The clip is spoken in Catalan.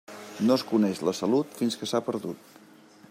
No es coneix la salut fins que s'ha perdut.